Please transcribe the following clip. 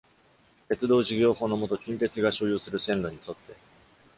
鉄道事業法のもと近鉄が所有する線路に沿って。